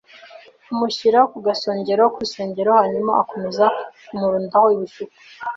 amushyira ku gasongero k’urusengero, hanyuma akomeza kumurundaho ibishuko.